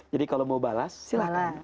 jadi kalau mau balas silakan